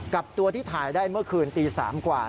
กับตัวที่ถ่ายได้เมื่อคืนตี๓กว่า